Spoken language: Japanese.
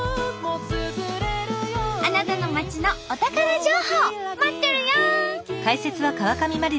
あなたの町のお宝情報待っとるよ！